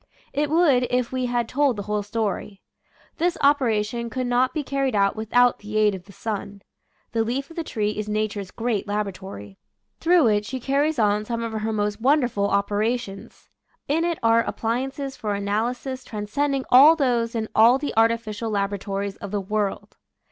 It would if we had told the whole story. This operation could not be carried out with out the aid of the sun. The leaf of the tree is nature's great laboratory. Through it she carries on some of her most wonderful opera tions. In it are appliances for analysis transcending all those in all the artificial laboratories of the world.